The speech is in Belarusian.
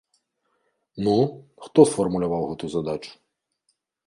Ну, хто сфармуляваў гэтую задачу?!